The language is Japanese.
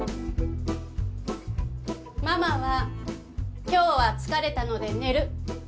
ママは今日は疲れたので寝る。